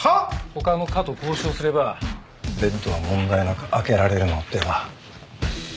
他の科と交渉すればベッドは問題なく空けられるのでは？